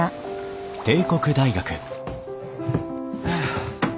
はあ。